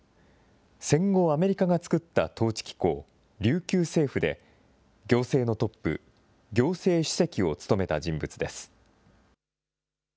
戦後、アメリカが作った統治機構、琉球政府で行政のトップ、行政主席を務めた人物です。